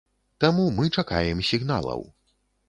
Таму мы чакаем сігналаў.